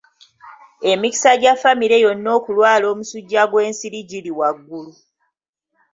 Emikisa gya famire yonna okulwala omusujja gw'ensiri giri waggulu.